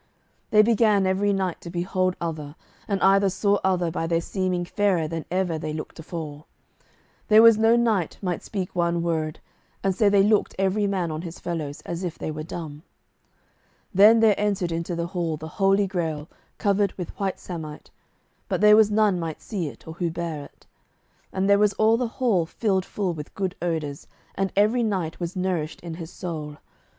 Then began every knight to behold other, and either saw other by their seeming fairer than ever they looked afore. There was no knight might speak one word, and so they looked every man on his fellows, as if they were dumb. Then there entered into the hall the Holy Grail, covered with white samite, but there was none might see it, or who bare it. And there was all the hall filled full with good odours, and every knight was nourished in his soul.